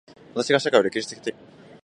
私が社会を歴史的身体的と考える所以である。